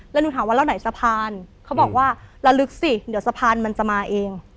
แล้วหนูถามว่าแล้วไหนสะพานเขาบอกว่าระลึกสิเดี๋ยวสะพานมันจะมาเอง